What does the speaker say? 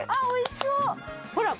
おいしそう！